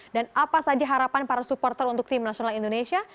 dan apa saja harapan para supporter untuk tim nasional indonesia